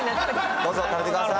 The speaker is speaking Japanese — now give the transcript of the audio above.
どうぞ食べてください。